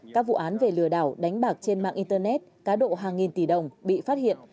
các vụ án về lừa đảo đánh bạc trên mạng internet cá độ hàng nghìn tỷ đồng bị phát hiện